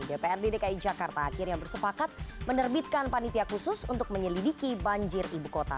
dprd dki jakarta akhirnya bersepakat menerbitkan panitia khusus untuk menyelidiki banjir ibu kota